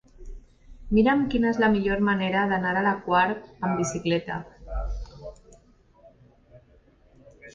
Mira'm quina és la millor manera d'anar a la Quar amb bicicleta.